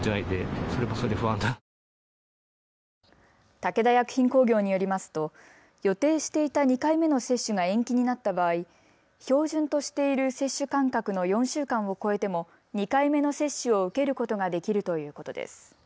武田薬品工業によりますと予定していた２回目の接種が延期になった場合、標準としている接種間隔の４週間を超えても２回目の接種を受けることができるということです。